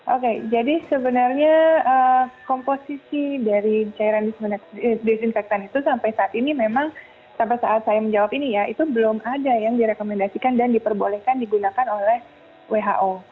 oke jadi sebenarnya komposisi dari cairan desinfektan itu sampai saat ini memang sampai saat saya menjawab ini ya itu belum ada yang direkomendasikan dan diperbolehkan digunakan oleh who